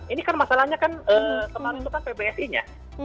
ini kan masalahnya kan kemarin itu kan pbsi nya